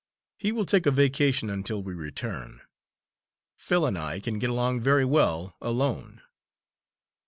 He will take a vacation until we return. Phil and I can get along very well alone."